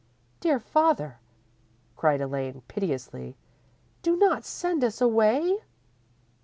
Dear father," cried Elaine, piteously, "do not send us away!"